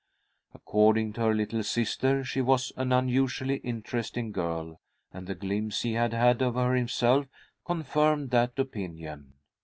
According to her little sister she was an unusually interesting girl, and the glimpse he had had of her himself confirmed that opinion.